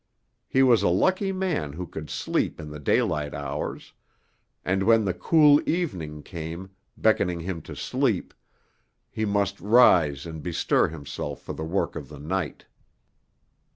He was a lucky man who could sleep in the daylight hours, and when the cool evening came, beckoning him to sleep, he must rise and bestir himself for the work of the night.